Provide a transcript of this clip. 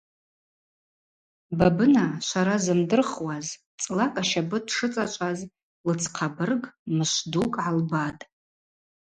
Бабына – швара зымдырхуаз – цӏлакӏ ащапӏы дшыцӏачӏваз лыдзхъабырг мышв дукӏ гӏалбатӏ.